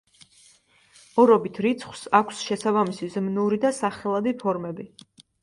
ორობით რიცხვს აქვს შესაბამისი ზმნური და სახელადი ფორმები.